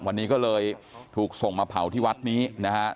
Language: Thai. วันนี้ก็เลยถูกส่งมาเผาที่วัดนี้นะฮะ